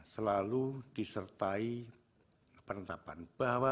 selalu disertai penetapan bahwa